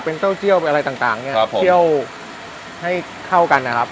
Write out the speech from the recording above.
เป็นเต้าเจียวอะไรต่างต่างเนี้ยครับผมเคี่ยวให้เข้ากันนะครับ